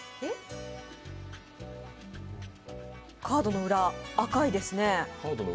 カードの裏、赤いですね。